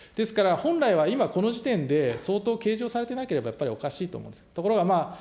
ですから、本来は今この時点で相当計上されてなければやっぱりおかしいと思います。